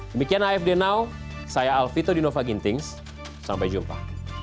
demikian afd now saya alfito di novagintings sampai jumpa